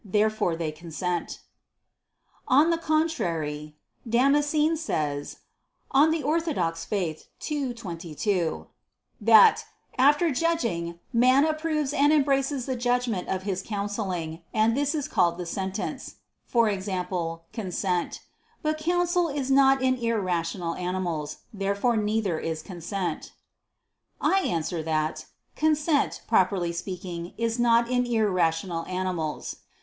Therefore they consent. On the contrary, Damascene says (De Fide Orth. ii, 22) that "after judging, man approves and embraces the judgment of his counselling, and this is called the sentence," i.e. consent. But counsel is not in irrational animals. Therefore neither is consent. I answer that, Consent, properly speaking, is not in irrational animals.